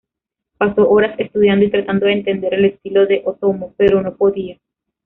Pasó horas estudiando y tratando de entender el estilo de Otomo, pero no podía.